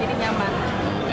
juga tempat sendiri nyaman